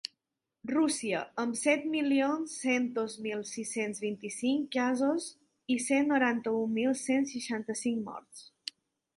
Rússia, amb set milions cent dos mil sis-cents vint-i-cinc casos i cent noranta-un mil cent seixanta-cinc morts.